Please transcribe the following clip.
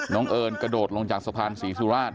เอิญกระโดดลงจากสะพานศรีสุราช